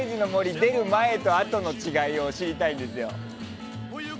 出る前とあとの違いを知りたいんですよ。